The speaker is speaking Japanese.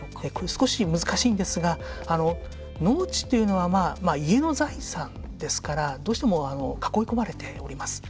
少し難しいんですが農地というのは家の財産ですからどうしても囲い込まれております。